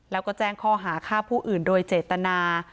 แล้วก็แจ้งข้อหาฆ่าผู้อื่นโดยเจตนา